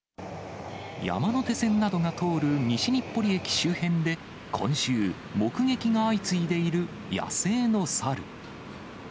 山手線などが通る西日暮里駅周辺で今週、目撃が相次いでいる野生の猿。